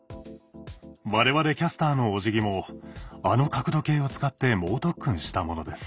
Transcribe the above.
我々キャスターのおじぎもあの角度計を使って猛特訓したものです。